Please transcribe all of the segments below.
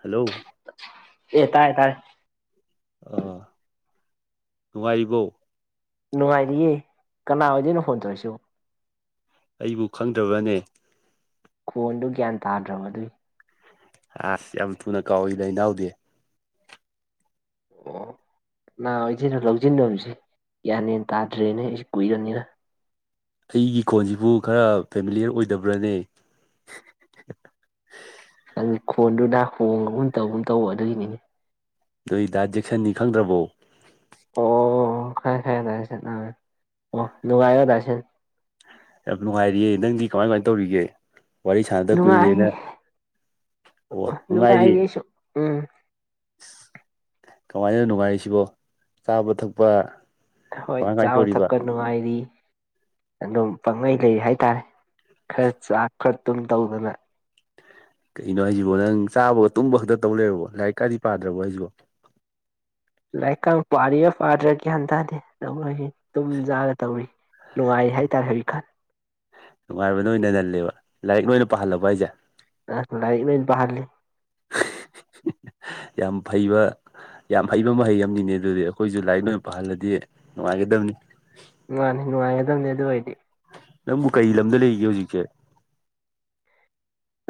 hello ꯑꯦ ꯇꯥꯔꯦ ꯇꯥꯔꯦ ꯑꯥ ꯅꯨꯡꯉꯥꯏꯔꯤꯕꯣ ꯅꯨꯡꯉꯥꯏꯔꯤꯌꯦ ꯀꯅꯥ ꯑꯣꯏꯗꯣꯏꯅꯣ ꯐꯣꯟ ꯇꯧꯔꯛ ꯢꯁꯤꯕꯣ ꯑꯩꯕꯨ ꯈꯪꯗ꯭ꯔꯕꯅꯦ ꯈꯣꯟꯗꯨ ꯒ꯭ꯌꯥꯟ ꯇꯥꯗ꯭ꯔꯕ ꯑꯗꯨꯏ ꯑꯁ ꯌꯥꯝ ꯊꯨꯅ ꯀꯥꯎꯋꯤꯅ ꯏꯅꯥꯎꯗꯤ [inaudible] ꯅꯍꯥꯟ ꯑꯩꯁꯤꯅ ꯂꯧꯁꯤꯟꯗꯃꯤꯁꯤ ꯌꯥꯟꯃꯦꯟ ꯇꯥꯗ꯭ꯔꯦꯅꯦ ꯑꯩꯁꯦ ꯀꯨꯏꯔꯕꯅꯤꯅ ꯑꯩꯒꯤ ꯀꯣꯟꯁꯤꯕꯨ ꯈꯔ ꯐꯦꯃꯤꯂꯤꯌꯔ ꯑꯣꯏꯗꯕ꯭ꯔꯥꯅꯦ [unintelligible] ꯅꯪꯗꯤ ꯈꯣꯟꯗꯨꯗ ꯅꯈꯣꯡꯒꯨꯝ ꯇꯧꯒꯨꯝ ꯇꯧꯕ ꯑꯗꯨꯒꯤꯅꯤꯅꯦ ꯅꯣꯢ ꯗ ꯖꯦꯛꯁꯟꯅꯤ ꯈꯪꯗ꯭ꯔꯕꯣ ꯑꯣ ꯈꯉꯦ ꯈꯉꯦ ꯖꯦꯛꯁꯟ ꯑꯥ ꯑꯣ ꯅꯨꯡꯉꯥꯏꯔ ꯗꯖꯦꯛꯁꯟ ꯌꯥꯝ ꯅꯨꯡꯉꯥꯏꯔꯤꯌꯦ ꯅꯪꯗꯤ ꯀꯃꯥꯏ ꯀꯃꯥꯏ ꯇꯧꯔꯤꯒꯦ ꯋꯥꯔꯤ ꯁꯥꯟꯅꯗ ꯀꯨꯏꯔꯦꯅ ꯑꯣ ꯅꯨꯡꯉꯥꯏꯔꯤ ꯅꯨꯉꯥꯢꯔꯤ ꯑꯩꯁꯨ ꯎꯝ ꯀꯃꯥꯏꯅ ꯅꯨꯡꯉꯥꯏꯔꯤꯁꯤꯕꯣ ꯆꯥꯕ ꯊꯛꯄ ꯍꯣꯏ ꯀꯃꯥꯏ ꯀꯃꯥꯏ ꯆꯥꯕ ꯇꯧꯔꯤꯕ ꯊꯛꯀ ꯅꯨꯡꯉꯥꯏꯔꯤ ꯑꯗꯨꯝ ꯄꯪꯂꯩ ꯂꯩ ꯍꯥꯏꯇꯥꯔꯦ ꯈꯔ ꯆꯥꯛ ꯈꯔ ꯇꯨꯝ ꯇꯧꯗꯅ ꯀꯩꯅꯣ ꯍꯥꯏꯁꯤꯕꯣ ꯅꯪ ꯆꯥꯕꯒ ꯇꯨꯝꯕ ꯈꯛꯇ ꯇꯧ ꯂꯩꯔꯕꯣ ꯂꯥꯏꯔꯤꯛ ꯀꯥꯗꯤ ꯄꯥꯗ꯭ꯔꯕꯣ ꯍꯥꯏꯁꯤꯕꯣ ꯂꯥꯏꯔꯤꯛꯀ ꯄꯥꯔꯤꯔ ꯄꯥꯗꯔꯤꯔ ꯒ꯭ꯌꯥꯟ ꯇꯥꯗꯦ ꯇꯧꯂꯩꯔꯤꯅꯦ ꯇꯨꯝꯖꯥꯔ ꯇꯧꯔꯤ ꯅꯨꯡꯉꯥꯏ ꯍꯥꯏ ꯇꯔꯦ ꯍꯥꯏꯖꯤꯛ ꯀꯥꯟ ꯅꯨꯡꯉꯥꯏꯕ ꯅ ꯑꯣꯏꯅ ꯅꯜꯂꯦꯕ ꯂꯥꯏꯔꯤꯛ ꯂꯣꯏꯅ ꯄꯥꯍꯜꯂꯕ ꯍꯥꯏꯁꯦ ꯂꯥꯏꯔꯤꯛ ꯂꯣꯏ ꯄꯥꯍꯜꯂꯤ ꯌꯥꯝ ꯐꯩꯕ ꯌꯥꯝ ꯍꯩꯕ ꯃꯍꯩ ꯑꯃꯅꯤꯅꯦ ꯑꯗꯨꯗꯤ ꯑꯩꯈꯣꯏꯁꯨ ꯂꯥꯏꯔꯤꯛ ꯑꯣꯏꯅ ꯄꯥꯍꯜꯂꯗꯤ ꯅꯨꯡꯉꯥꯏꯒꯗꯕꯅꯤ ꯃꯟꯅꯤ ꯅꯨꯉꯥꯏꯒꯗꯕꯅꯦ ꯑꯗꯨ ꯑꯣꯏꯗꯤ ꯅꯪꯕꯨ ꯀꯩ ꯂꯝꯗ ꯂꯩꯒꯦ ꯍꯧꯖꯤꯛꯁꯦ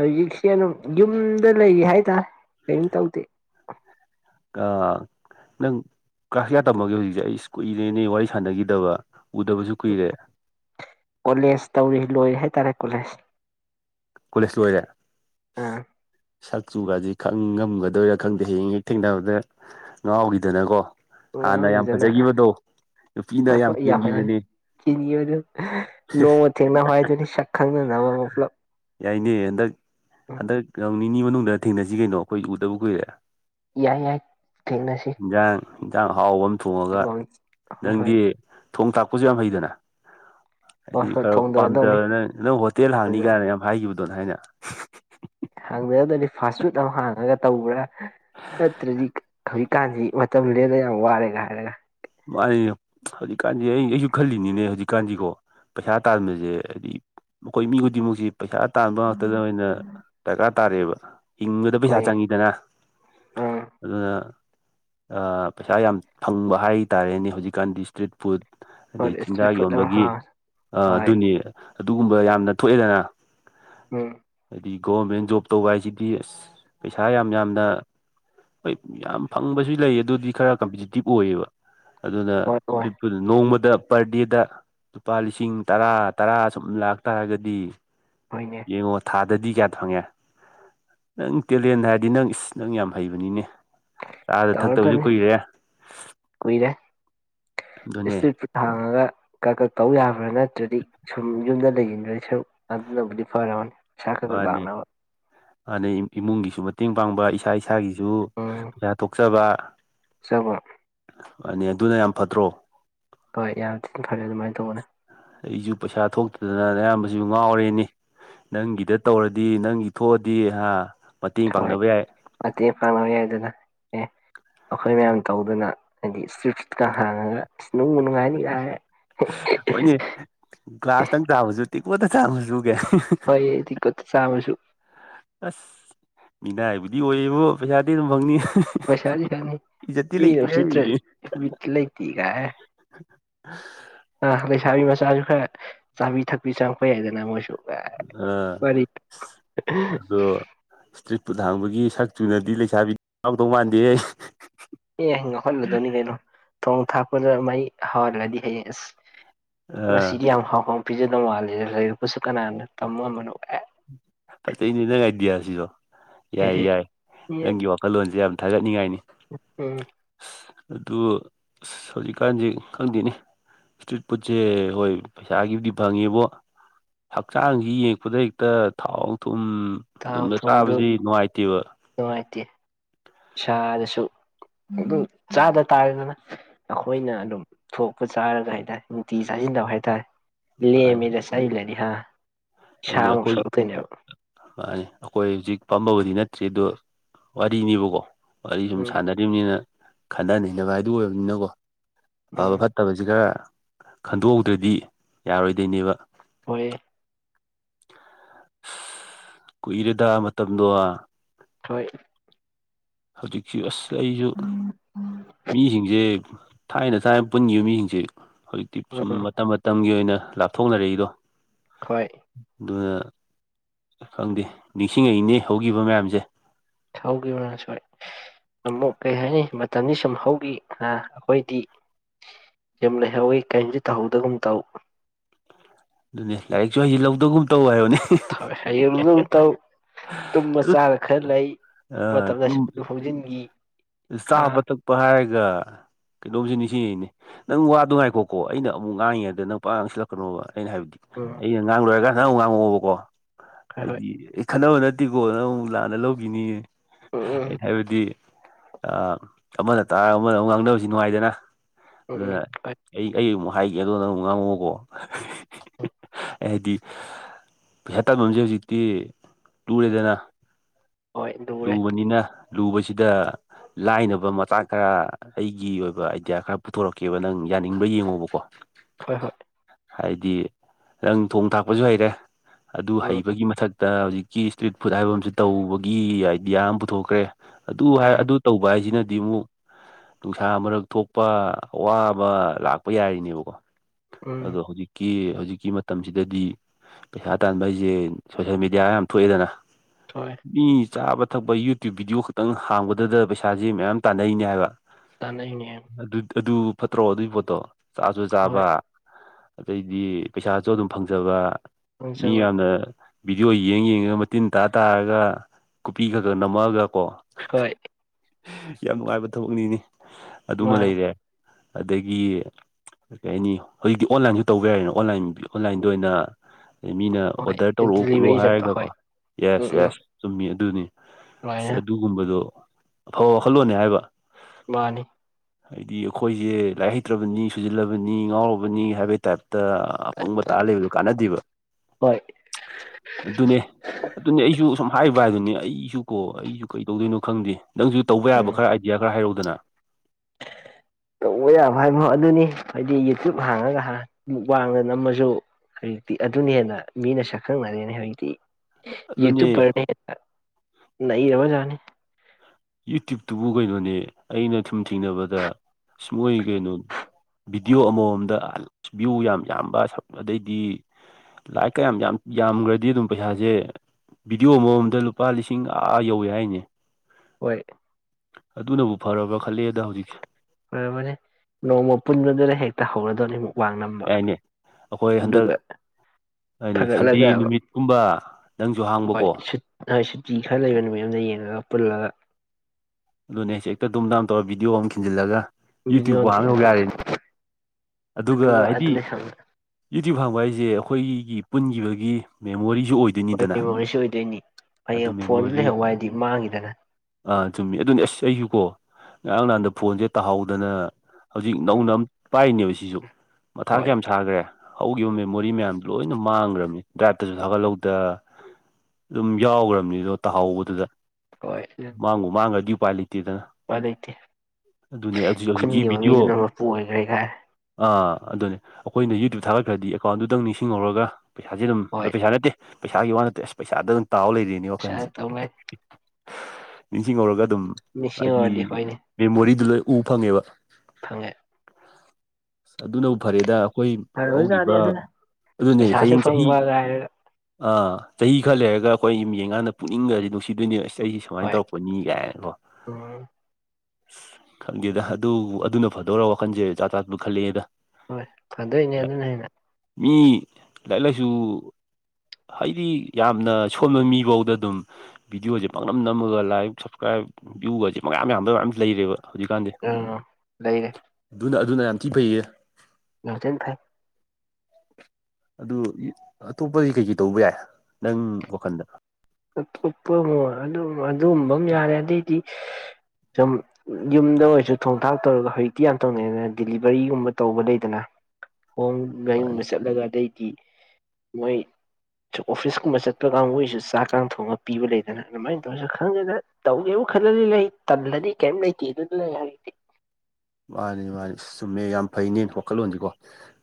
ꯍꯧꯖꯤꯛꯁꯤ ꯑꯗꯨꯝ ꯌꯨꯝꯗ ꯂꯩꯔꯤ ꯍꯥꯏꯇꯥꯔꯦ ꯀꯩꯝ ꯇꯧꯗꯦ ꯑꯥ ꯅꯪ ꯀ꯭ꯂꯥꯁ ꯀꯌꯥ ꯇꯝꯃꯒꯦ ꯍꯧꯖꯤꯛꯁꯦ ꯑꯩ ꯏꯁ ꯀꯨꯏꯔꯩꯅꯦ ꯋꯥꯔꯤ ꯁꯥꯟꯅꯈꯤꯗꯕ ꯎꯗꯕꯖꯨ ꯀꯨꯏꯔꯦ ꯀꯣꯂꯦꯖ ꯇꯧꯔꯤ ꯂꯣꯏꯔꯦ ꯍꯥꯏꯇꯥꯔꯦ ꯀꯣꯂꯦꯖ ꯀꯣꯂꯦꯖ ꯂꯣꯏꯔꯦ ꯑꯥ ꯆꯨꯒꯥꯖꯦ ꯈꯪ ꯉꯝꯒꯗ꯭ꯔꯒ ꯈꯪꯗꯦ ꯍꯌꯦꯡ ꯍꯦꯛ ꯊꯦꯡꯅꯕꯗ ꯉꯥꯎꯒꯤꯗꯅꯀꯣ ꯍꯥꯟꯅ ꯌꯥꯝ ꯑꯉꯥꯡꯁꯤꯗꯅ ꯐꯖꯒꯤꯕꯗꯣ ꯅꯨꯄꯤꯅ ꯌꯥꯝ ꯀꯦꯟꯒꯤꯕꯅꯦ ꯆꯤꯅꯤ ꯑꯣꯏꯗꯣꯔꯣ ꯅꯣꯡꯃ ꯊꯦꯡꯅꯕ ꯍꯏꯗꯨꯅꯤ ꯁꯛ ꯈꯪꯅꯅꯕ ꯃꯨꯛ ꯄꯦꯂꯞ ꯌꯥꯏꯅꯦ ꯍꯟꯗꯛ ꯍꯟꯗꯛ ꯅꯣꯡ ꯅꯤꯅꯤ ꯃꯅꯨꯡꯗ ꯊꯦꯡꯅꯖꯤ ꯀꯩꯅꯣ ꯈꯣꯏ ꯎꯗꯕ ꯀꯨꯏꯔꯦ ꯌꯥꯏ ꯌꯥꯏ ꯊꯦꯡꯅꯁꯤ ꯏꯟꯖꯥꯡ ꯏꯟꯖꯥꯡ ꯑꯍꯥꯎꯕꯃ ꯊꯣꯡꯉꯒ ꯍꯣꯏ ꯍꯣꯏ ꯅꯪꯗꯤ ꯊꯣꯡ ꯊꯥꯛꯄꯖꯨ ꯌꯥꯝ ꯍꯩꯗꯅꯥ ꯍꯣꯏ ꯍꯥꯏꯗꯤ ꯍꯣꯏ ꯈꯔ ꯊꯣꯡꯗꯔꯗꯧꯅꯤ ꯄꯥꯝꯖꯕꯅ ꯅꯪ ꯍꯣꯇꯦꯜ ꯍꯥꯡꯅꯤ ꯑꯗꯨꯗ ꯒꯥꯏꯅ ꯌꯥꯝ ꯍꯥꯏꯒꯤꯕꯗꯣ ꯊꯥꯏꯅ ꯍꯥꯡꯖꯗꯅꯤ ꯐꯥꯁ ꯐꯨꯗ ꯑꯃ ꯍꯥꯡꯉꯒ ꯇꯧꯕ꯭ꯔꯥ ꯅꯠꯇ꯭ꯔꯗꯤ ꯍꯧꯖꯤꯛ ꯀꯥꯟꯖꯤ ꯃꯇꯝ ꯂꯦꯟꯕ ꯌꯥꯝ ꯋꯥꯔꯦꯒ ꯍꯥꯏꯔꯒ ꯃꯥꯅꯤꯅꯦ ꯍꯧꯖꯤꯛꯀꯥꯟꯗꯤ ꯑꯩ ꯑꯩꯖꯨ ꯈꯜꯂꯤꯅꯤꯅꯦ ꯍꯧꯖꯤꯛꯀꯥꯟꯖꯤꯀꯣ ꯄꯩꯁꯥ ꯇꯥꯟꯕꯖꯦ ꯍꯥꯏꯗꯤ ꯃꯈꯣꯏ ꯃꯤ ꯈꯨꯨꯗꯤꯡꯃꯛꯁꯦ ꯄꯩꯁꯥ ꯇꯥꯟꯕ ꯉꯥꯛꯇꯗ ꯑꯣꯏꯅ ꯗꯔꯀꯥꯔ ꯇꯥꯗꯦꯕ ꯍꯤꯡꯕꯗ ꯄꯩꯁꯥ ꯍꯣꯏ ꯆꯪꯉꯤꯗꯅ ꯑꯥ ꯑꯗꯨꯅ ꯑꯥ ꯄꯩꯁꯥ ꯌꯥꯝ ꯐꯪꯕ ꯍꯥꯏꯇꯥꯔꯦꯅꯦ ꯍꯧꯖꯤꯛꯀꯥꯟꯗꯤ ꯏꯁꯇ꯭ꯔꯤꯠ ꯐꯨꯗ ꯍꯣꯏ ꯑꯗꯩ ꯆꯤꯟꯖꯥꯛ ꯏꯁꯇ꯭ꯔꯤꯠ ꯐꯨꯗ ꯑꯃ ꯌꯣꯟꯕꯒꯤ ꯍꯥꯡꯉꯁꯤ ꯑꯥ ꯍꯣꯏ ꯗꯨꯅꯤ ꯑꯗꯨꯒꯨꯝꯕ ꯌꯥꯝꯅ ꯊꯣꯛꯑꯦꯗꯅ ꯎꯝ ꯗꯤ ꯒꯣꯕꯃꯦꯟ ꯖꯣꯕ ꯇꯧꯕ ꯍꯥꯏꯁꯤꯗꯤ ꯑꯁ ꯄꯩꯁꯥ ꯌꯥꯝ ꯌꯥꯝꯅ ꯍꯣꯏ ꯌꯥꯝ ꯐꯪꯕꯖꯨ ꯂꯩ ꯑꯗꯨꯗꯤ ꯈꯥꯔ ꯀꯝꯄꯤꯇꯤꯇꯤꯚ ꯑꯣꯏꯌꯦꯕ ꯑꯗꯨꯅ ꯍꯣꯏ ꯍꯣꯏ ꯆꯤꯠꯄꯗ ꯅꯣꯡꯃꯗ ꯄ꯭ꯔ ꯗꯦꯗ ꯂꯨꯄꯥ ꯂꯤꯁꯤꯡ ꯇꯔꯥ ꯇꯔꯥ ꯁꯨꯝ ꯂꯥꯛꯇꯥꯔꯒꯗꯤ ꯍꯣꯏꯅꯦ ꯌꯦꯉꯣ ꯊꯥ ꯗꯗꯤ ꯀꯌꯥ ꯐꯪꯉꯦ ꯅꯪ ꯇꯦꯂꯦꯟ ꯍꯥꯏꯔꯗꯤ ꯅꯪ ꯏꯁ ꯅꯪ ꯌꯥꯝ ꯍꯩꯕꯅꯤꯅꯦ ꯆꯥꯗ ꯊꯛꯇꯕꯖꯨ ꯇꯧꯔꯗꯕꯅꯤ ꯀꯨꯏꯔꯦ ꯀꯨꯏꯔꯦ ꯑꯗꯨꯅꯦ ꯏꯁꯇ꯭ꯔꯤꯠ ꯐꯨꯗ ꯍꯥꯡꯉꯒ ꯀꯛ ꯀꯛ ꯇꯧ ꯌꯥꯕ꯭ꯔꯥ ꯅꯠꯇ꯭ꯔꯗꯤ ꯁꯨꯝ ꯌꯨꯝꯗ ꯂꯩꯁꯤꯟꯗ꯭ꯔꯨꯏ ꯁꯔꯨꯛ ꯑꯗꯨꯅꯕꯨꯗꯤ ꯐꯔꯕꯅꯤ ꯄꯩꯁꯥ ꯈꯥ ꯈꯥ ꯂꯥꯛꯅꯕ ꯃꯥꯟꯅꯦ ꯏꯃꯨꯡꯒꯤꯁꯨ ꯃꯇꯦꯡ ꯄꯥꯡꯕ ꯏꯁꯥꯏ ꯏꯁꯥꯒꯤꯁꯨ ꯎꯝ ꯄꯩꯁꯥ ꯊꯣꯛꯆꯕ ꯆꯕꯣ ꯃꯥꯟꯅꯤ ꯑꯗꯨꯅ ꯌꯥꯝ ꯐꯠꯇ꯭ꯔꯣ ꯍꯣꯏ ꯌꯥꯝ ꯊꯤꯅ ꯐꯔꯦ ꯑꯗꯨꯃꯥꯏꯅ ꯇꯧꯕꯅ ꯑꯩꯖꯨ ꯄꯩꯁꯥ ꯊꯣꯛꯇꯗꯅ ꯅꯌꯥꯝꯕꯖꯤꯖꯨ ꯉꯥꯎꯔꯦꯅꯦ ꯅꯪꯒꯤꯗ ꯇꯧꯔꯗꯤ ꯅꯪꯒꯤ ꯊꯣꯛꯑꯗꯤ ꯍꯥ ꯃꯇꯦꯡ ꯍꯣꯏ ꯄꯥꯡꯅꯕ ꯌꯥꯏ ꯃꯇꯦꯡ ꯄꯥꯡꯅ ꯌꯥꯏꯗꯅ ꯑꯦ ꯑꯈꯣꯏ ꯃꯌꯥꯝ ꯇꯧꯗꯅ ꯍꯥꯏꯗꯤ ꯏꯁꯇ꯭ꯔꯤꯠ ꯐꯨꯗꯀ ꯍꯥꯡꯉꯒ ꯑ ꯅꯨꯡꯕꯨ ꯅꯨꯡꯉꯥꯏꯅꯤ ꯏꯔꯥꯏ ꯂꯥꯏꯔꯦ ꯍꯣꯏꯅꯦ ꯒ꯭ꯂꯥꯁꯇꯪ ꯆꯥꯝꯃꯖꯨ ꯇꯦꯡꯀꯣꯠꯇ ꯆꯥꯝꯃꯖꯨ ꯒ ꯐꯩꯌꯦ ꯇꯦꯡꯀꯣꯠꯇ ꯆꯥꯝꯃꯖꯨ ꯑꯁ ꯃꯤꯅꯥꯏꯕꯨꯗꯤ ꯑꯣꯏꯌꯦꯕꯣ ꯄꯩꯁꯥꯗꯤ ꯑꯗꯨꯝ ꯐꯪꯅꯤ ꯄꯩꯁꯥꯗꯤ ꯐꯪꯅꯤ ꯏꯖꯠꯇꯤ ꯃꯤꯅ ꯂꯩꯇꯦ ꯁꯤꯠꯇ꯭ꯔ ꯍꯥꯏꯔꯤꯌꯦ ꯕꯤꯠ ꯂꯩꯇꯦ ꯀꯥ ꯍꯥꯏ ꯑꯥ ꯂꯩꯁꯥꯕꯤ ꯃꯆꯥꯖꯨ ꯈꯥꯔ ꯆꯥꯕꯤ ꯊꯛꯄꯤ ꯆꯪꯉꯛꯄ ꯌꯥꯏꯗꯅ ꯃꯣꯏꯁꯨ ꯀꯥꯏ ꯑꯥ ꯋꯥꯔꯤ ꯑꯗꯣ ꯏꯁꯇ꯭ꯔꯤꯠ ꯄꯨꯠꯗ ꯍꯥꯡꯕꯒꯤ ꯁꯛ ꯇꯨꯅꯗꯤ ꯂꯩꯁꯥꯕꯤ ꯉꯥꯎꯗꯧ ꯃꯥꯟꯗꯦꯍꯦ ꯑꯦ ꯉꯥꯎꯍꯜꯂꯗꯣꯏꯅꯤ ꯀꯩꯅꯣ ꯊꯣꯡ ꯊꯥꯛꯄꯅ ꯃꯍꯩ ꯍꯥꯎꯍꯜꯂꯗꯤ ꯍꯌꯦꯡ ꯏꯁ ꯑꯥ ꯃꯁꯤꯗꯤ ꯌꯥꯝ ꯍꯥꯎ ꯍꯥꯎ ꯄꯤꯖꯗꯧꯕ ꯃꯥꯜꯂꯦꯅ ꯂꯩꯔꯛꯄꯖꯨ ꯀꯅꯥꯅ ꯇꯝꯃ ꯉꯝꯕꯅꯣ ꯀꯥꯏ ꯐꯠꯖꯩꯅꯦ ꯅꯪ ꯑꯥꯏꯗꯤꯌꯥꯁꯤꯖꯨ ꯌꯥꯏ ꯌꯥꯏ ꯅꯪꯒꯤ ꯋꯥꯈꯜꯂꯣꯟꯖꯦ ꯌꯥꯝ ꯊꯥꯒꯠꯅꯤꯡꯉꯥꯏꯅꯤ ꯎꯝ ꯑꯗꯨ ꯑꯁ ꯍꯧꯖꯤꯛꯀꯥꯟꯖꯦ ꯈꯪꯗꯦꯅꯦ ꯏꯁꯇ꯭ꯔꯤꯠ ꯐꯨꯠꯗꯁꯦ ꯍꯣꯏ ꯄꯩꯁꯥꯒꯤꯕꯨꯗꯤ ꯐꯪꯉꯦꯕꯣ ꯍꯛꯆꯥꯡꯁꯤ ꯌꯦꯛꯄꯗ ꯍꯦꯛꯇ ꯊꯥꯎ ꯊꯨꯝ ꯊꯥꯎ ꯗꯨꯝꯗ ꯊꯨꯝꯗꯨ ꯆꯥꯕꯁꯤ ꯅꯨꯡꯉꯥꯏꯇꯦꯕ ꯅꯨꯡꯉꯥꯏꯇꯦ ꯏꯁꯥꯗꯁꯨ ꯑꯗꯨ ꯆꯥꯗ ꯇꯥꯔꯦꯗꯅ ꯑꯩꯈꯣꯏꯅ ꯑꯗꯨꯝ ꯊꯣꯛꯄ ꯆꯥꯔꯒ ꯍꯥꯏꯇꯥꯔꯦ ꯅꯨꯡꯇꯤ ꯆꯥꯁꯤꯟꯗꯕ ꯍꯥꯏꯇꯥꯔꯦ ꯂꯦꯝꯃꯗꯤ ꯆꯩ ꯂꯩꯔꯦ ꯍ ꯏꯁꯥ ꯑꯗꯨꯅꯦ ꯃꯨꯛ ꯑꯩꯈꯣꯏ ꯁꯨꯔꯛꯇꯣꯏꯅꯦꯕ ꯃꯥꯅꯤ ꯑꯈꯣꯏ ꯍꯧꯖꯤꯛ ꯄꯥꯝꯕꯕꯨꯗꯤ ꯅꯠꯇ꯭ꯔꯤ ꯑꯗꯣ ꯋꯥꯔꯤꯅꯤꯕꯀꯣ ꯋꯥꯔꯤ ꯁꯨꯝ ꯎꯝ ꯁꯥꯟꯅꯔꯤꯕꯅꯤꯅ ꯈꯟꯅ ꯅꯩꯅꯕ ꯍꯥꯏꯗꯨ ꯑꯣꯏꯕꯅꯤꯅꯀꯣ ꯎꯝ ꯐꯕ ꯐꯠꯇꯕꯁꯤ ꯈꯔ ꯈꯟꯗꯣꯛꯍꯧꯗ꯭ꯔꯗꯤ ꯌꯥꯔꯣꯏꯗꯣꯏꯅꯦꯕ ꯍꯣꯏ ꯀꯨꯏꯔꯦꯗ ꯃꯇꯝꯗꯣ ꯍꯣꯏ ꯍꯧꯖꯤꯛꯁꯨ ꯑꯁ ꯑꯩꯁꯨ ꯎꯝ ꯃꯤꯁꯤꯡꯁꯦ ꯊꯥꯏꯅ ꯊꯥꯏꯅ ꯄꯨꯟꯈꯤꯕ ꯃꯤꯁꯤꯡꯁꯦ ꯍꯧꯖꯤꯛꯇꯤ ꯍꯣꯏ ꯁꯨꯝ ꯃꯇꯝ ꯃꯇꯝꯒꯤ ꯑꯣꯏꯅ ꯂꯥꯞꯊꯣꯛꯅꯔꯛꯏꯗꯣ ꯑꯗꯨꯅ ꯈꯪꯗꯦ ꯅꯤꯡꯁꯤꯡꯉꯛꯏꯅꯦ ꯍꯧꯈꯤꯕ ꯃꯌꯥꯝꯁꯦ ꯍꯧꯈꯤꯕ ꯃꯌꯥꯝꯁꯦ ꯍꯣꯏ ꯑꯃꯨꯛ ꯀꯩ ꯍꯥꯏꯅꯤ ꯃꯇꯝ ꯁꯨꯝ ꯍꯧꯈꯤ ꯍꯥ ꯑꯩꯈꯣꯏꯗꯤ ꯌꯥꯝ ꯂꯩꯥꯏꯍꯥꯎꯋꯦ ꯀꯩꯝ ꯁꯨ ꯇꯥꯍꯧꯗꯒꯨꯝ ꯇꯥꯎ ꯑꯗꯨꯅꯦ ꯂꯥꯏꯔꯤꯛꯁꯨ ꯍꯩꯖꯤꯜ ꯍꯧꯗꯧꯒꯨꯝ ꯇꯧ ꯍꯥꯏ ꯍꯌꯦꯡ ꯃꯨꯛ ꯇꯧ ꯇꯨꯝꯕ ꯆꯥꯔ ꯈꯔ ꯂꯩ ꯃꯇꯝꯗ ꯁꯨꯝꯖꯤ ꯍꯧꯖꯤꯟꯒꯤ ꯑ ꯆꯥꯕ ꯊꯛꯄ ꯍꯥꯏꯔꯒ ꯀꯩꯅꯣꯝꯁꯨ ꯅꯤꯡꯖꯤꯡ ꯉꯛꯑꯦ ꯅꯦ ꯅꯪ ꯋꯥ ꯅꯨꯡꯉꯥꯏꯈꯣꯀꯣ ꯑꯩꯅ ꯑꯃꯨꯛ ꯉꯥꯡꯉꯦꯗꯅ ꯅꯪ ꯄꯥꯛ ꯉꯥꯡꯁꯤꯜꯂꯛꯀꯅꯣꯕ ꯑꯩꯅ ꯍꯥꯏꯕꯗꯤ ꯎꯝ ꯑꯩꯅ ꯉꯥꯡ ꯂꯣꯏꯔꯀꯥꯟꯗ ꯑꯃ ꯉꯥꯡꯉꯛꯑꯣꯕꯀꯣ ꯍꯣꯏ ꯍꯣꯏ ꯍꯥꯏꯗꯤ ꯈꯟꯅꯅꯕ ꯅꯠꯇꯦꯀꯣ ꯅꯪ ꯑꯃꯨꯛ ꯂꯥꯟꯅ ꯂꯧꯈꯤꯅꯤꯌꯦ ꯎꯝ ꯎꯝ ꯑꯩ ꯍꯥꯏꯕꯗꯤ ꯑꯥ ꯑꯃꯗ ꯇꯥꯔꯒ ꯑꯃꯗ ꯑꯃꯨꯛ ꯉꯥꯡꯅꯕꯖ ꯅꯨꯡꯉꯥꯏꯗꯅ ꯎꯝ ꯎꯝ ꯑꯗꯨꯅ ꯍꯣꯏ ꯑꯩ ꯑꯩ ꯑꯃꯨꯛ ꯍꯥꯏꯒꯦꯗꯣꯅ ꯑꯃꯨꯛ ꯉꯥꯡꯉꯣꯀꯣ [inaudible] ꯑꯩ ꯍꯥꯏꯗꯤ ꯄꯩꯁꯥꯇꯥꯟꯐꯝꯁꯦ ꯍꯧꯖꯤꯛꯇꯤ ꯇꯨꯔꯦꯗꯅ ꯍꯣꯏ ꯂꯨꯔꯦ ꯂꯨꯕꯅꯤꯅ ꯂꯨꯕꯁꯤꯗ ꯂꯥꯏꯅꯕ ꯃꯆꯥꯛ ꯈꯔ ꯑꯩꯒꯤ ꯑꯣꯏꯕ ꯑꯥꯏꯗꯤꯌꯥ ꯈꯔ ꯄꯨꯊꯣꯔꯛꯀꯦꯕ ꯅꯪ ꯌꯥꯅꯤꯡꯕ꯭ꯔ ꯌꯦꯡꯉꯣꯕꯀꯣ ꯍꯣꯏ ꯍꯣꯏ ꯍꯥꯏꯗꯤ ꯅꯪ ꯊꯣꯡ ꯊꯥꯛꯄꯁꯨ ꯍꯩꯔꯦ ꯑꯗꯨ ꯎꯝ ꯍꯩꯕꯒꯤ ꯃꯊꯛꯇ ꯍꯧꯖꯤꯛ ꯀ ꯏꯁꯇ꯭ꯔꯤꯠ ꯐꯨꯗ ꯍꯥꯏꯕ ꯑꯝꯁꯤ ꯇꯧꯕꯒꯤ ꯑꯥꯏꯗꯤꯌꯥ ꯑꯃ ꯄꯨꯊꯣꯛꯈ꯭ꯔꯦ ꯑꯗꯨ ꯑ ꯍꯥꯏ ꯑꯗꯨ ꯇꯧꯕ ꯍꯥꯏꯁꯤꯅ ꯗꯤ ꯑꯃꯨꯛ ꯅꯨꯡꯁꯥ ꯃꯔꯛ ꯊꯣꯛꯄ ꯑꯋꯥꯕ ꯂꯥꯛꯄ ꯌꯥꯔꯤꯅꯦꯕꯀꯣ ꯎꯝ ꯑꯗꯣ ꯍꯧꯖꯤꯛꯀꯤ ꯍꯧꯖꯤꯛꯀꯤ ꯃꯇꯝꯁꯤꯗꯗꯤ ꯄꯩꯁꯥ ꯇꯥꯟꯕ ꯍꯥꯏꯁꯦ ꯁꯣꯁꯦꯜ ꯃꯦꯗꯤꯌꯥ ꯌꯥꯝ ꯊꯣꯛꯑꯦꯗꯅ ꯍꯣꯏ ꯃꯤ ꯆꯥꯕ ꯊꯛꯄ ꯌꯨꯇꯨꯕ ꯚꯤꯗꯤꯑꯣ ꯈꯛꯇꯪ ꯍꯥꯡꯕꯗ ꯑꯗꯨꯗ ꯄꯩꯁꯥꯁꯤ ꯃꯌꯥꯝ ꯇꯥꯟꯅꯩꯅꯦ ꯍꯥꯏꯕ ꯇꯥꯟꯅꯩꯅꯦ ꯑꯗꯨ ꯑꯗꯨ ꯐꯠꯇ꯭ꯔꯣ ꯑꯗꯨꯒꯤ ꯄꯣꯠꯇꯣ ꯆꯥꯛꯁꯨ ꯍꯣꯏ ꯆꯥꯕ ꯑꯗꯩꯗꯤ ꯄꯩꯁꯥꯁꯨ ꯑꯗꯨꯝ ꯐꯪꯖꯕ ꯃꯤ ꯐꯪꯖꯕ ꯌꯥꯝꯅ ꯚꯤꯗꯤꯑꯣ ꯌꯦꯡ ꯌꯦꯡꯉꯒ ꯃꯇꯤꯟ ꯇꯥ ꯇꯥꯔꯒ ꯀꯣꯄꯤ ꯈꯛ ꯈꯔ ꯅꯝꯃꯛꯑꯒ ꯀꯣ ꯍꯣꯏ ꯌꯥꯝ ꯅꯨꯡꯉꯥꯏꯕ ꯊꯕꯛꯅꯤꯅꯤ ꯑꯗꯨꯃ ꯃꯥꯅꯤ ꯂꯩꯔꯦ ꯑꯗꯒꯤ ꯀꯩ ꯍꯥꯏꯅꯤ ꯍꯧꯖꯤꯛꯇꯤ ꯑꯣꯟꯂꯥꯏꯟꯁꯨ ꯇꯧꯕ ꯌꯥꯔꯦꯅ ꯑꯣꯟꯂꯥꯏꯟ ꯑꯣꯟꯂꯥꯏꯟꯗ ꯑꯣꯏꯅ ꯑ ꯃꯤꯅ ꯍꯣꯏ ꯑꯣꯗꯔ ꯇꯧꯔꯛꯑꯣ ꯈꯣꯠꯂꯣ ꯗꯤꯂꯤꯚꯔꯤ ꯆꯠꯄ ꯍꯥꯏꯔꯒꯀꯣ ꯍꯣꯏ ꯎꯝ ꯌꯦꯁ ꯎꯝ ꯌꯦꯁ ꯆꯨꯝꯃꯤ ꯑꯗꯨꯅꯤ ꯑꯁ ꯂꯣꯏꯅ ꯑꯗꯨꯒꯨꯝꯕꯗꯣ ꯑꯐꯕ ꯋꯥꯈꯜꯂꯣꯟꯅꯦ ꯍꯥꯏꯕ ꯃꯥꯅꯤ ꯍꯥꯏꯗꯤ ꯑꯩꯈꯣꯏꯖꯦ ꯂꯥꯏꯔꯤꯛ ꯍꯩꯇ꯭ꯔꯕꯅꯤ ꯁꯨꯖꯤꯜꯂꯕꯅꯤ ꯉꯥꯎꯔꯕꯅꯤ ꯍꯥꯏꯕꯩ ꯇꯥꯏꯞ ꯇ ꯑꯄꯪꯕꯇꯥ ꯂꯩꯕꯗꯣ ꯀꯥꯟꯅꯗꯦꯕ ꯍꯣꯏ ꯑꯗꯨꯅꯦ ꯑꯗꯨꯅꯦ ꯑꯩꯁꯨ ꯁꯨꯝ ꯍꯥꯏꯕ ꯏꯕꯥꯏꯗꯨꯅꯦ ꯑꯩꯁꯨ ꯀꯣ ꯑꯩꯁꯨ ꯀꯩ ꯇꯧꯗꯨꯏꯅꯣ ꯈꯪꯗꯦ ꯅꯪꯁꯨ ꯇꯧꯕ ꯌꯥꯕ ꯎꯝ ꯈꯔ ꯑꯥꯏꯗꯤꯌꯥ ꯈꯔ ꯍꯥꯏꯔꯛꯎꯗꯅ ꯇꯧꯕ ꯌꯥꯕ ꯍꯥꯏꯕꯣ ꯑꯗꯨꯅꯤ ꯍꯥꯏꯗꯤ ꯌꯨꯇ꯭ꯌꯨꯞ ꯍꯥꯡꯉꯒ ꯍꯥ ꯃꯨꯛꯕꯥꯡꯗ ꯅꯝꯃꯁꯨ ꯍꯧꯖꯤꯛꯇꯤ ꯑꯗꯨꯅ ꯍꯦꯟꯅ ꯃꯤꯅ ꯁꯛꯈꯪꯅꯔꯦꯅꯦ ꯍꯧꯖꯤꯛꯇꯤ ꯑꯗꯨꯅꯦ ꯌꯨꯇ꯭ꯌꯨꯞ ꯕ꯭ꯔꯅꯦꯅ ꯅꯩꯔꯕ ꯖꯥꯠꯅꯦ ꯌꯨꯇ꯭ꯌꯨꯞꯇꯨꯕꯨ ꯀꯩꯅꯣꯅꯦ ꯑꯩꯅ ꯁꯨꯝ ꯊꯦꯡꯅꯕꯗ ꯁꯃꯣꯏ ꯀꯩꯅꯣ ꯚꯤꯗꯤꯑꯣ ꯑꯃꯃꯝꯗ ꯚ꯭ꯌꯨ ꯌꯥꯝ ꯌꯥꯝꯕ ꯑꯗꯩꯗꯤ ꯂꯥꯏꯛ ꯀ ꯌꯥꯝ ꯌꯥꯝ ꯌꯥꯝꯈꯒ꯭ꯔꯗꯤ ꯑꯗꯨꯝ ꯄꯩꯁꯥꯁꯦ ꯚꯤꯗꯤꯑꯣ ꯑꯃꯃꯝꯗ ꯂꯨꯄꯥ ꯂꯤꯁꯤꯡ ꯑꯥ ꯌꯧꯋꯦ ꯍꯥꯏꯅꯦ ꯍꯣꯏ ꯑꯗꯨꯅꯕꯨ ꯐꯔꯕ꯭ꯔꯥ ꯈꯜꯂꯦꯗ ꯍꯧꯖꯤꯛꯁꯦ ꯐꯔꯕꯅꯦ ꯅꯣꯡꯃ ꯄꯨꯟꯕꯗꯨꯅ ꯍꯦꯛꯇ ꯍꯧꯔꯗꯧꯅꯦ ꯑꯃꯨꯛ ꯃꯨꯛꯕꯥꯡ ꯅꯝꯕ ꯌꯥꯏꯅꯦ ꯑꯩꯈꯣꯏ ꯍꯟꯗꯛ ꯑꯗꯨꯒ ꯍꯥꯏꯅꯤ ꯁꯟꯗꯦ ꯊꯒꯠꯂꯒꯕ ꯅꯨꯃꯤꯠꯀꯨꯝꯕ ꯅꯪꯁꯨ ꯍꯣꯏ ꯍꯥꯡꯕꯀꯣ ꯁꯨꯠ ꯍꯣꯏ ꯁꯨꯇꯤ ꯈꯔ ꯂꯩꯕꯅ ꯅꯨꯃꯤꯠꯑꯃꯗꯩ ꯌꯦꯡꯒ ꯄꯨꯜꯂꯒ ꯑꯗꯨꯅꯦꯁꯦ ꯍꯦꯛꯇ ꯗꯨꯝꯗꯥꯝ ꯇꯧꯔꯒ ꯚꯤꯗꯤꯑꯣ ꯑꯃ ꯈꯤꯟꯖꯤꯜꯂꯒ ꯚꯤꯗꯤꯑꯣ ꯌꯨꯇ꯭ꯌꯨꯨꯞ ꯑꯃ ꯍꯥꯡꯍꯧ ꯊꯤꯜꯂꯒ ꯌꯥꯔꯦꯅꯦ ꯑꯗꯨꯒ ꯍꯥꯏꯗꯤ ꯑꯗꯨꯅ ꯁꯪ ꯌꯨꯇ꯭ꯌꯨꯕ ꯍꯥꯡꯕ ꯍꯥꯏꯁꯦ ꯑꯩꯈꯣꯏꯒꯤ ꯄꯨꯟꯒꯤꯕꯒꯤ ꯒꯤ ꯃꯦꯃꯣꯔꯤ ꯍꯣꯏ ꯑꯣꯁꯨ ꯑꯣꯏꯗꯣꯏꯅꯤ ꯑꯗꯨ ꯍꯌꯦꯡ ꯐꯣꯟ ꯃꯦꯃꯣꯔꯤ ꯂꯩꯍꯧꯕ ꯍꯥꯏꯗꯤ ꯃꯥꯡꯒꯤꯗꯅ ꯑꯥ ꯆꯨꯝꯃꯤ ꯑꯗꯨꯅꯦ ꯑꯁ ꯑꯩꯁꯨꯨꯀꯣ ꯉꯔꯥꯡ ꯅꯍꯥꯟꯗ ꯐꯣꯟꯁꯦ ꯇꯥꯍꯧꯗꯅ ꯍꯧꯖꯤꯛ ꯅꯧꯅ ꯑꯃ ꯄꯥꯏꯔꯤꯅꯦꯕ ꯁꯤꯁꯨ ꯃꯊꯥ ꯍꯣꯏ ꯀꯌꯥꯝ ꯁꯥꯈ꯭ꯔꯦ ꯍꯧꯈꯤꯕ ꯃꯦꯃꯣꯔꯤ ꯃꯌꯥꯝꯗꯣ ꯂꯣꯏꯅ ꯃꯥꯡꯒ꯭ꯔꯕꯅꯤ ꯗ꯭ꯔꯥꯏꯞꯇꯁꯨ ꯊꯥꯒꯠꯍꯧꯗ ꯑꯗꯨꯝ ꯌꯥꯎꯒ꯭ꯔꯕꯅꯤꯗꯣ ꯇꯥꯍꯧꯕꯗꯨꯗ ꯍꯣꯏ ꯃꯥꯡꯕꯨ ꯃꯥꯡꯒ꯭ꯔꯗꯤ ꯎꯄꯥꯏ ꯂꯩꯇꯦ ꯎꯄꯥꯏ ꯂꯩꯇꯦ ꯑꯗꯨꯅꯦ ꯑꯗꯨꯗꯒꯤꯗꯤ ꯈꯨꯟꯒꯤ ꯚꯤꯗꯤꯑꯣ ꯃꯃꯤꯗꯨꯅ ꯃꯄꯨ ꯑꯣꯏꯈ꯭ꯔꯦ ꯀꯥꯏ ꯑꯥ ꯑꯗꯨꯅꯦ ꯑꯩꯈꯣꯏꯅ ꯌꯨꯇ꯭ꯌꯨꯕ ꯊꯥꯒꯠꯈ꯭ꯔꯗꯤ ꯑꯦꯀꯥꯎꯟꯗꯨꯇꯪ ꯅꯤꯡꯁꯤꯡꯍꯧꯔꯒ ꯄꯩꯁꯥꯁꯦ ꯑꯗꯨꯝ ꯍꯣꯏ ꯄꯩꯁꯥ ꯅꯠꯇꯦ ꯄꯩꯁꯥꯒꯤ ꯋꯥ ꯅꯠꯇꯦ ꯑꯁ ꯄꯩꯁꯥꯗ ꯑꯗꯨꯝ ꯇꯥꯎ ꯂꯩꯔꯦꯅꯦ ꯁꯥ ꯋꯥꯈꯜꯁꯦ ꯇꯧ ꯂꯩ ꯅꯤꯡꯁꯤꯡꯍꯧꯔꯒ ꯑꯗꯨꯝ ꯂꯤꯁꯤꯡ ꯑꯣꯏꯔꯗꯤ ꯍꯥꯏꯗꯤ ꯍꯣꯏꯅꯦ ꯃꯦꯃꯣꯔꯤꯗꯨ ꯂꯣꯏ ꯎꯕ ꯐꯪꯉꯦꯕ ꯐꯪꯉꯦ ꯑꯁ ꯑꯗꯨꯅꯕꯨ ꯐꯔꯦꯗ ꯑꯩꯈꯣꯏ ꯐꯔꯕꯖꯥꯠꯅꯤ ꯍꯧꯈꯤꯕ ꯑꯗꯨꯅ ꯑꯗꯨꯅꯦ ꯄꯩꯁꯥꯁꯨ ꯍꯌꯦꯡ ꯆꯍꯤ ꯐꯪꯕ ꯀꯥꯏꯔꯒ ꯑꯥ ꯆꯍꯤ ꯈꯔ ꯂꯩꯔꯒ ꯑꯩꯈꯣꯏ ꯃꯤ ꯌꯦꯡꯀꯥꯟꯗ ꯄꯨꯛꯅꯤꯡꯒꯁꯦ ꯅꯨꯡꯁꯤꯗꯨꯏꯅꯦ ꯑꯁ ꯑꯩꯁꯤ ꯁꯨꯃꯥꯏꯅ ꯍꯣꯏ ꯇꯧꯔꯛꯄꯅꯤ ꯀꯥꯏꯅꯀꯣ ꯎꯝ ꯑꯁ ꯈꯪꯗꯦꯗ ꯑꯗꯨ ꯑꯗꯨꯅ ꯐꯗꯧꯔ ꯋꯥꯈꯟꯁꯦ ꯖꯥꯠ ꯖꯥꯠꯄꯨ ꯈꯜꯂꯦꯗ ꯍꯣꯏ ꯐꯥꯗꯣꯏꯅꯦ ꯑꯗꯨꯅ ꯍꯦꯟꯅ ꯃꯤ ꯂꯥꯏꯔꯤꯛ ꯂꯥꯏꯁꯨ ꯍꯥꯏꯗꯤ ꯌꯥꯝꯅ ꯁꯣꯟꯕ ꯃꯤꯐꯥꯎꯗ ꯑꯗꯨꯝ ꯚꯤꯗꯤꯑꯣꯁꯦ ꯄꯪꯅꯝ ꯅꯝꯃꯒ ꯂꯥꯏꯛ ꯁꯞꯁꯀ꯭ꯔꯥꯏꯞ ꯚꯤꯌꯨ ꯒꯁꯦ ꯃꯌꯥꯝ ꯌꯥꯝꯗꯨꯅꯦ ꯑꯥ ꯂꯩꯩꯔꯦ ꯑꯗꯨꯅ ꯑꯗꯨꯅ ꯌꯥꯝ ꯊꯤ ꯐꯩꯌꯦ ꯌꯥꯝ ꯊꯤ ꯐꯩ [inaudible] ꯑꯗꯨ ꯑꯇꯣꯞꯄꯗꯤ ꯀꯩꯀꯩ ꯇꯧꯕ ꯌꯥꯏ ꯅꯪ ꯋꯥꯈꯜꯗ ꯑꯇꯣꯞꯄ ꯑꯃ ꯑꯗꯨꯒꯨꯝꯕ ꯑꯃ ꯌꯥꯔꯦ ꯑꯗꯩꯗꯤ ꯁꯨꯝ ꯌꯨꯝꯗ ꯑꯣꯏꯁꯨ ꯊꯣꯡ ꯊꯥꯛ ꯇꯧꯔꯒ ꯍꯧꯖꯤꯛꯇꯤ ꯌꯥꯝ ꯇꯧꯅꯩꯗꯅ ꯗꯤꯂꯤꯚꯔꯤꯒꯨꯝꯕ ꯇꯧꯕ ꯂꯩꯗꯅ ꯍꯣꯡ ꯃꯥꯅꯤ ꯂꯌꯤꯡꯕ ꯆꯠꯂꯒ ꯑꯗꯩ ꯗꯤ ꯃꯣꯏ ꯑꯣꯐꯤꯁ ꯀꯨꯝꯕ ꯆꯠꯄ ꯀꯥꯡꯕꯨꯒꯤ ꯃꯣꯏꯁꯨ ꯆꯥꯛ ꯆꯥꯡ ꯊꯣꯡꯉ ꯄꯤꯕ ꯂꯩꯗꯅ ꯑꯗꯨꯃꯥꯏꯅ ꯇꯧꯔꯁꯨ ꯈꯪꯗꯦꯗꯅ ꯇꯧꯒꯦꯕꯨ ꯈꯜꯂꯗꯤ ꯂꯩ ꯇꯜꯂꯗꯤ ꯀꯩꯝ ꯂꯩꯇꯦ ꯑꯗꯨ ꯂꯩ ꯍꯥꯏꯗꯤ ꯃꯥꯅꯤ ꯃꯥꯅꯤ ꯆꯨꯝꯃꯦ ꯌꯥꯝ ꯐꯩꯅꯦ ꯋꯥꯈꯜꯂꯣꯟꯗꯤꯀꯣ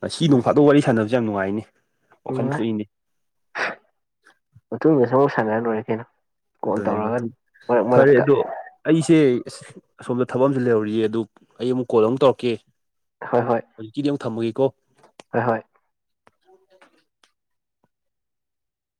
ꯉꯁꯤ ꯅꯣꯡꯐꯥꯗꯣꯛ ꯋꯥꯔꯤ ꯁꯥꯟꯅꯕꯁꯦ ꯌꯥꯝ ꯅꯨꯡꯉꯥꯏꯅꯦ ꯋꯥꯈꯟ ꯊꯣꯛꯏꯅꯦ ꯃꯇꯨꯡꯗꯁꯨ ꯑꯃꯨꯛ ꯁꯥꯟ ꯑꯗꯨꯅꯦ ꯃꯇꯨꯡ ꯃꯔꯛ ꯐꯔꯦ ꯃꯔꯛꯇ ꯑꯗꯣ ꯑꯩꯁꯦ ꯑꯁꯣꯝꯗ ꯊꯕꯛ ꯑꯃꯁꯨ ꯂꯩꯍꯧꯔꯤꯌꯦ ꯑꯗꯨ ꯑꯩ ꯑꯃꯨꯛ ꯀꯣꯜ ꯑꯃꯨꯛ ꯇꯧꯔꯛꯀꯦ ꯍꯣꯏ ꯍꯣꯏ ꯍꯧꯖꯤꯛꯀꯤꯗꯤ ꯑꯃꯨꯛ ꯊꯝꯃꯒꯦꯀꯣ ꯍꯣꯏ ꯍꯣꯏ [unintelligible]